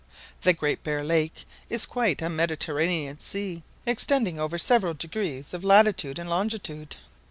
The Great Bear Lake is quite a Mediterranean Sea, extending over several degrees of latitude and longitude.